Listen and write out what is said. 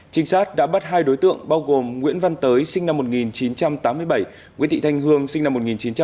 trinh sát đã bắt hai đối tượng bao gồm nguyễn văn tới sinh năm một nghìn chín trăm tám mươi bảy nguyễn thị thanh hương sinh năm một nghìn chín trăm tám mươi